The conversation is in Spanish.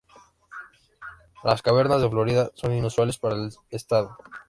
Las cavernas de Florida son inusuales para el estado.